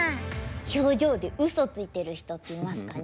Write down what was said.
表情で嘘ついている人っていますかね？